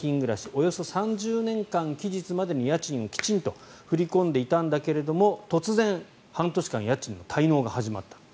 およそ３０年間、期日までに家賃をきちんと振り込んでいたんだけれども突然、半年間家賃の滞納が始まった。